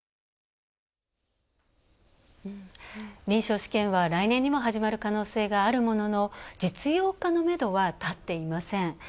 臨床試験は来年にも始まる可能性があるものの実用化のめどは立っていません。